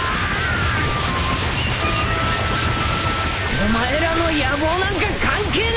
お前らの野望なんか関係ねえ！